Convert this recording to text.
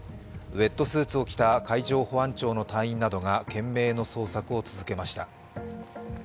ウエットスーツを着た海上保安庁の隊員などが懸命の捜索を続けました。